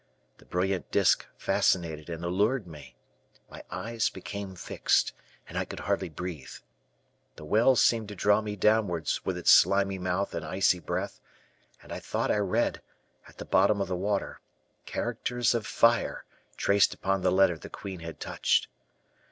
The brilliant disk fascinated and allured me; my eyes became fixed, and I could hardly breathe. The well seemed to draw me downwards with its slimy mouth and icy breath; and I thought I read, at the bottom of the water, characters of fire traced upon the letter the queen had touched.